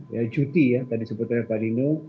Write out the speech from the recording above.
ya duty ya tadi sebutnya pak dino